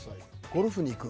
ゴルフに行く。